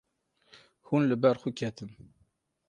Hûn li ber xwe ketin.